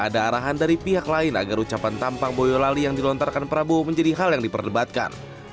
ada arahan dari pihak lain agar ucapan tampang boyolali yang dilontarkan prabowo menjadi hal yang diperdebatkan